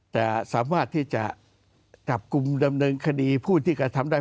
แต่สามารถที่จะจับกลุ่มดำเนินคดีผู้ที่กระทำได้